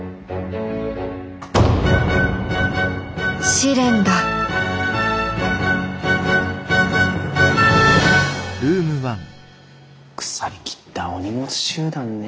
試練だ腐りきったお荷物集団ね。